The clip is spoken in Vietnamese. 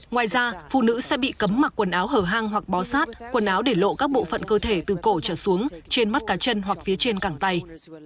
ngoài ra phụ nữ sẽ bị cấm mặc quần áo hở hang hoặc bó sát quần áo để lộ các bộ phận cơ thể từ cổ trở xuống trên mắt cá chân hoặc phía trên gẳng tay